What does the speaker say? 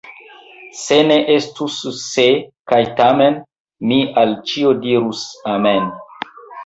Se ne estus "se" kaj "tamen", mi al ĉio dirus amen.